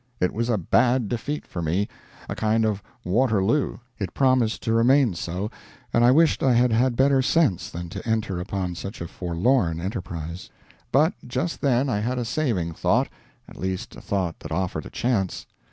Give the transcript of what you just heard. It was a bad defeat for me a kind of Waterloo. It promised to remain so, and I wished I had had better sense than to enter upon such a forlorn enterprise. But just then I had a saving thought at least a thought that offered a chance.